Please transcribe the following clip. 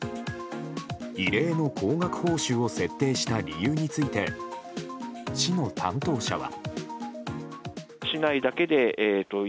異例の高額報酬を設定した理由について市の担当者は。